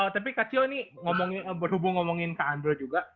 tapi kak cio ini berhubung ngomongin kak andro juga